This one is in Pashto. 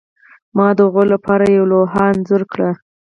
ما د هغوی لپاره یوه لوحه انځور کړه